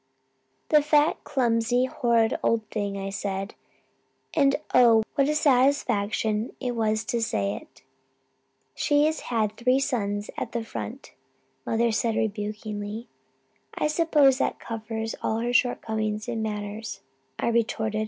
"'The fat, clumsy, horrid old thing,' I said and oh, what a satisfaction it was to say it. "'She has three sons at the front,' mother said rebukingly. "'I suppose that covers all her shortcomings in manners,' I retorted.